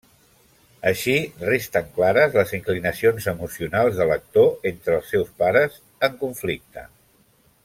Així resten clares les inclinacions emocionals de l'actor entre els seus pares en conflicte.